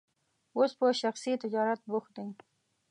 اوس په شخصي تجارت بوخت دی.